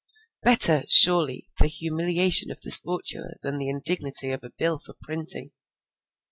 Better, surely, the humiliation of the sportula than the indignity of a bill for printing!